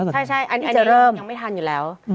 ใช่อันนี้เริ่มยังไม่ทันอยู่แล้ว